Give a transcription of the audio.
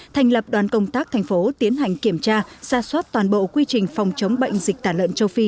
thành lập đoàn công tác thành phố tiến hành kiểm tra ra soát toàn bộ quy trình phòng chống bệnh dịch tả lợn châu phi